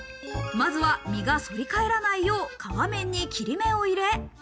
まずは身が反り返らないよう皮面に切れ目を入れ。